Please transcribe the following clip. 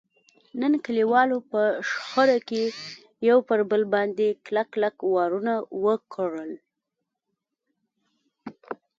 نن کلیوالو په شخړه کې یو پر بل باندې کلک کلک وارونه وکړل.